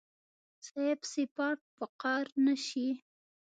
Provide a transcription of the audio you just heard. صيب سفارت په قار نشي.